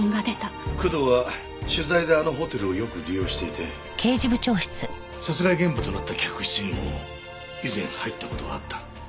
工藤は取材であのホテルをよく利用していて殺害現場となった客室にも以前入った事があった。